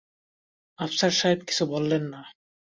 আফসার সাহেব কিছুই বললেন না।